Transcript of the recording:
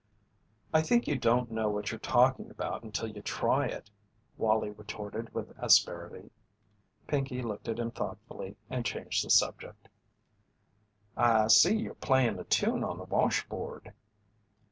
"I think you don't know what you're talking about until you try it," Wallie retorted with asperity. Pinkey looked at him thoughtfully and changed the subject. "I see you're playin' a tune on the washboard."